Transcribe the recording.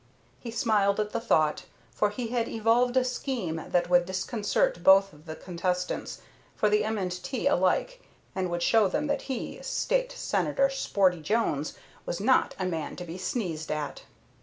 He smiled at the thought, for he had evolved a scheme that would disconcert both of the contestants for the M. & T. alike, and would show them that he, State Senator Sporty Jones, was not a man to be sneezed at.